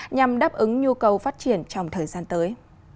nhằm đáp ứng nhu cầu phát triển trong thời gian tới